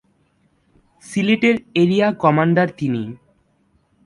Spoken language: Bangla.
সিলেটের এরিয়া কমান্ডার তিনি।